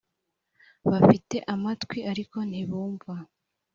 bafite amatwi ariko ntibumva